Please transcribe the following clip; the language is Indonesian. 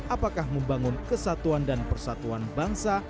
apakah membangun kesatuan dan persatuan bangsa